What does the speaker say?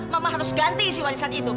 mama harus ganti si warisan itu